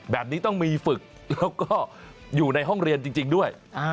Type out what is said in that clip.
แบบนี้ต้องมีฝึกแล้วก็อยู่ในห้องเรียนจริงด้วย